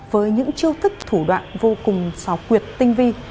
với những chiêu thức thủ đoạn vô cùng xào quyệt tinh vi